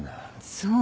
そう。